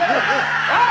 おい！